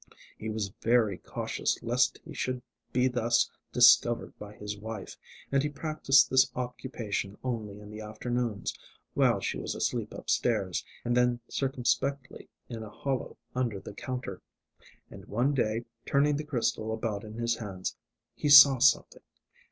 He was very cautious lest he should be thus discovered by his wife, and he practised this occupation only in the afternoons, while she was asleep upstairs, and then circumspectly in a hollow under the counter. And one day, turning the crystal about in his hands, he saw something.